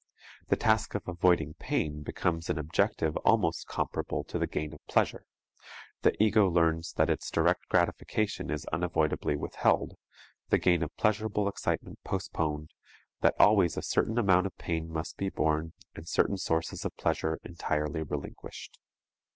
The task of avoiding pain becomes an objective almost comparable to the gain of pleasure; the ego learns that its direct gratification is unavoidably withheld, the gain of pleasurable excitement postponed, that always a certain amount of pain must be borne and certain sources of pleasure entirely relinquished.